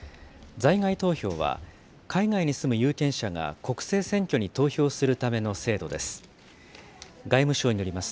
在外投票は、海外に住む有権者が国政選挙に投票するための制度です。